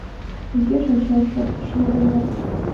Огеш ончал шӧрынат.